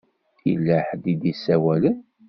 Yella ḥedd i d-isawalen.